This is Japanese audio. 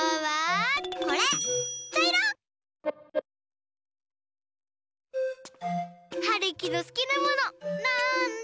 ちゃいろ！はるきのすきなものなんだ？